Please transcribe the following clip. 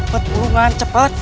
cepet burungan cepet